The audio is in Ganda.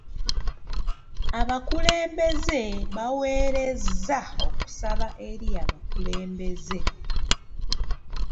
Abakulembeze bawerezza okusaba eri abakulembeze.